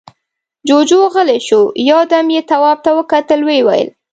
جُوجُو غلی شو، يو دم يې تواب ته وکتل، ويې ويل: